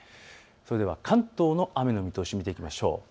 それでは関東の雨の見通しを見ていきましょう。